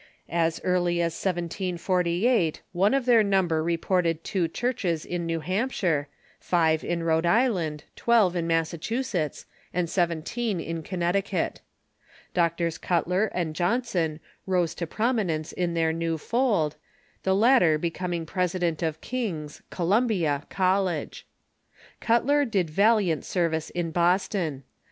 As early as 1748 one of their number reported two 494 THE CHURCH IN THE UNITED STATES chiu'cbes in New Hampshire, five in Rhode Island, twelve in Massacluisetts, and seventeen in Connecticut. Drs. Cutler and Johnson rose to prominence in their new fold, the latter be coming president of Kings (Columbia) College. Cutler did valiant service in Boston.